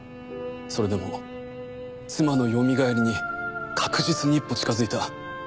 それでも妻のよみがえりに確実に一歩近づいた。